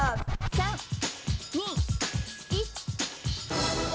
３ ・２・ １！